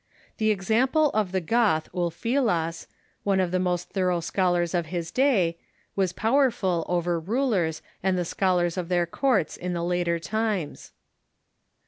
The example of the Goth Ulfilas, one of the most thorough scholars of his day, was power ful over rulers and the scholars of their courts in the later times.